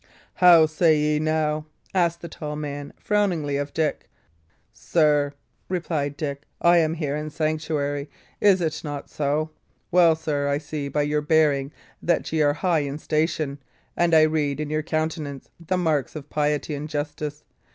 "How say ye now?" asked the tall man, frowningly, of Dick. "Sir," replied Dick, "I am here in sanctuary, is it not so? Well, sir, I see by your bearing that ye are high in station, and I read in your countenance the marks of piety and justice.